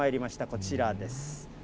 こちらです。